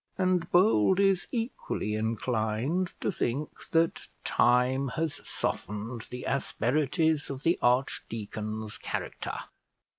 And Bold is equally inclined to think that time has softened the asperities of the archdeacon's character.